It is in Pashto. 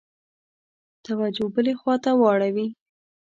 توجه بلي خواته واوړي.